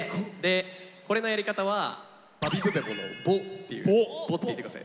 これのやり方は「バビブベボ」の「ボ」っていう「ボ」って言って下さい。